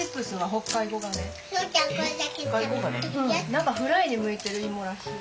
何かフライに向いてる芋らしい。